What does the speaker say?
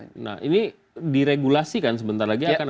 nah ini diregulasikan sebentar lagi kan